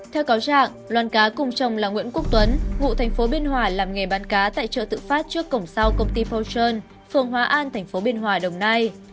theo cáo trạng loan cá cùng chồng là nguyễn quốc tuấn ngụ thành phố biên hòa làm nghề bán cá tại chợ tự phát trước cổng sau công ty pochon phường hóa an tp biên hòa đồng nai